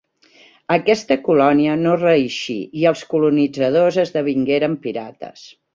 Aquesta colònia no reeixí i els colonitzadors esdevingueren pirates.